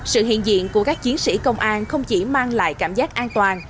sự hiện diện của các chiến sĩ công an không chỉ mang lại cảm giác an toàn